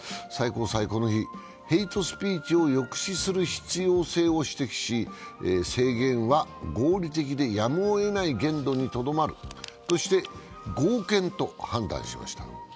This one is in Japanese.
最高裁、この日、ヘイトスピーチを抑止する必要性を指摘し制限は合理的でやむをえない限度にとどまるとして合憲と判断しました。